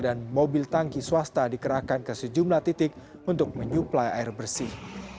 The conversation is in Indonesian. dan mobil tangki swasta dikerahkan ke sejumlah titik untuk menyuplai air bersih